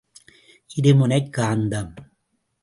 இரு முனைக் காந்தம்.